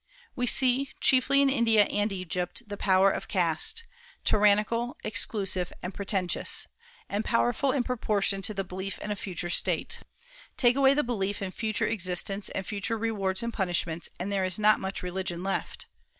We see, chiefly in India and Egypt, the power of caste, tyrannical, exclusive, and pretentious, and powerful in proportion to the belief in a future state. Take away the belief in future existence and future rewards and punishments, and there is not much religion left.